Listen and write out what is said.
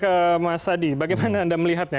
ke mas adi bagaimana anda melihatnya